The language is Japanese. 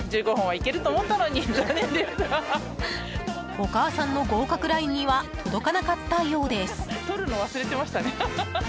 お母さんの合格ラインには届かなかったようです。